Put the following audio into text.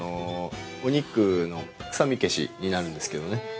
お肉の臭み消しになるんですけどね。